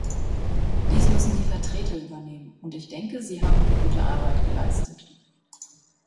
Dies müssen die Vertreter übernehmen, und ich denke, sie haben gute Arbeit geleistet.